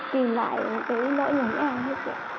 tìm lại cái lỗi của mẹ em hết rồi